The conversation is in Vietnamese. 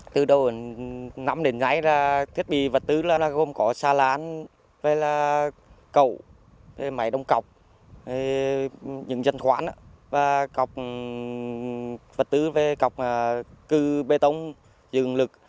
từ đầu năm đến ngay là thiết bị vật tư là gồm có xa lán cầu máy đông cọc những dân khoản và cọc vật tư cọc cư bê tông dường lực